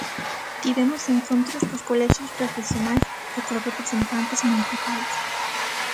Tivemos encontros cos colexios profesionais e cos representantes municipais.